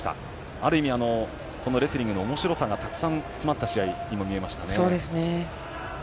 ある意味、レスリングの面白さがたくさん詰まった試合にも見えましたね。